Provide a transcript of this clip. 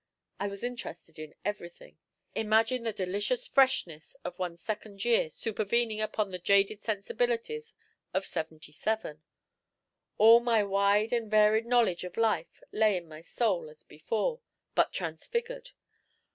I was interested in everything. Imagine the delicious freshness of one's second year supervening upon the jaded sensibilities of seventy seven. All my wide and varied knowledge of life lay in my soul as before, but transfigured.